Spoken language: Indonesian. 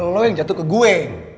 lo yang jatuh ke gue